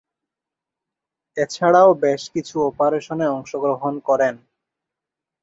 এছাড়াও বেশ কিছু অপারেশনে অংশগ্রহণ করেন।